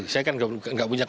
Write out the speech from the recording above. saya kan gak punya kebolehan